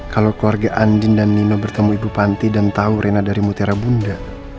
kalau keluarga andin dan nino bertemu ibu panti dan tahu rena dari mutiara bunda